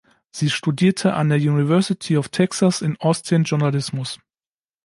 Sie studierte an der University of Texas in Austin Journalismus.